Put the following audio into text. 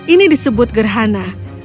ini disebut gerhana